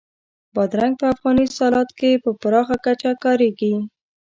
بادرنګ په افغاني سالاد کې په پراخه کچه کارېږي.